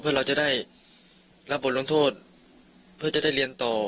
เพื่อเราจะได้รับบทลงโทษเพื่อจะได้เรียนต่อ